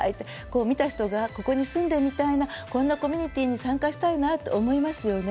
見た人がここに住んでみたいなこんなコミュニティーに参加したいなと思いますよね。